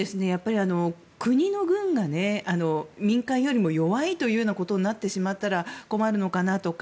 国の軍が民間よりも弱いというようなことになってしまったら困るのかなとか